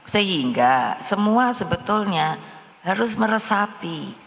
sehingga semua sebetulnya harus meresapi